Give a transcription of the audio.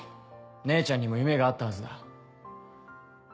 姉ちゃんにも夢があったはずだ。